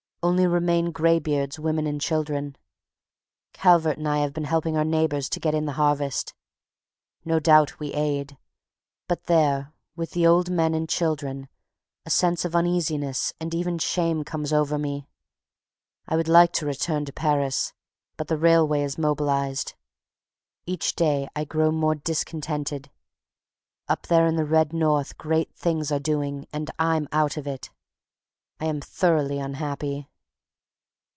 Only remain graybeards, women and children. Calvert and I have been helping our neighbors to get in the harvest. No doubt we aid; but there with the old men and children a sense of uneasiness and even shame comes over me. I would like to return to Paris, but the railway is mobilized. Each day I grow more discontented. Up there in the red North great things are doing and I am out of it. I am thoroughly unhappy.